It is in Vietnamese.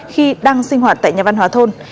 khi đang sinh hoạt tại nhà văn hóa thôn